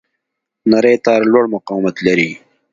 نری تار لوړ مقاومت لري.